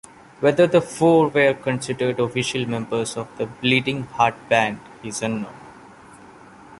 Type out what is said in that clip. Whether the four were considered official members of The Bleeding Heart Band is unknown.